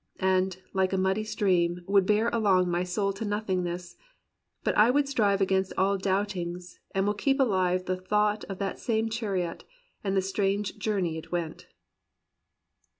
And, like a muddy stream, would bear along My soul to nothingness: but I will strive Against all doubtings, and will keep alive The thought of that same chariot, and the strange Journey it went.'